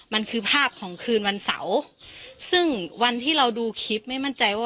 มันคือภาพของคืนวันเสาร์ซึ่งวันที่เราดูคลิปไม่มั่นใจว่า